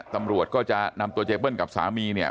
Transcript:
ตำรวจก็จะนำตัวเจเปิ้ลกับสามีเนี่ย